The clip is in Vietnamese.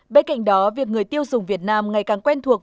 bên cạnh đó việc người tiêu dùng việt nam ngày càng quen thuộc